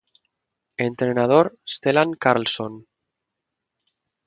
Entrenador: Stellan Carlsson